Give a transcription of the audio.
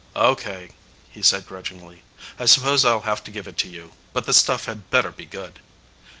"Okay," he said grudgingly. "I suppose I'll have to give it to you. But the stuff had better be good."